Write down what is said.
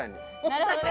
なるほどね。